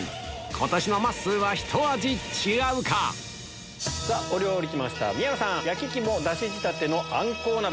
今年のまっすーはひと味違うか⁉お料理来ました宮野さん。